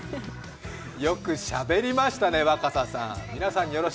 よくしゃべりましたね若狭さん。